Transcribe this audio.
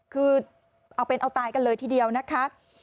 คือเอาเป็นเอาตายกันเลยทีเดียวนะคะ